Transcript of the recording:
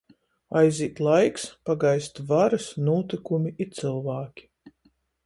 Aizīt laiks, pagaist varys, nūtykumi i cylvāki.